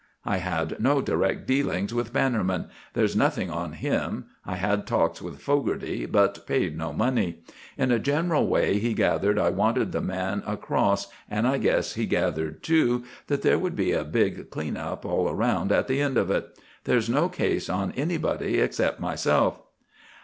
"I had no direct dealings with Bannerman. There's nothing on him. I had talks with Fogarty but paid no money. In a general way he gathered I wanted the man across, and I guess he gathered, too, that there would be a big clean up all around at the end of it. There's no case on anybody except myself."